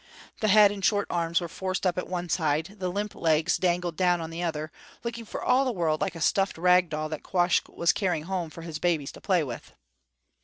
The head and short arms were forced up at one side, the limp legs dangled down on the other, looking for all the world like a stuffed rag doll that Quoskh was carrying home for his babies to play with.